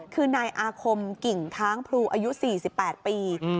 คือนายอาคมกิ่งค้างพลูอายุ๔๘ปี